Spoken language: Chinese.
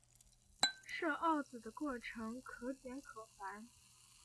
设鏊子的过程可简可繁。